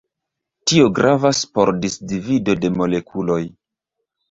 Tio gravas por disdivido de molekuloj.